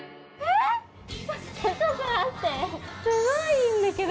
すごいんだけど！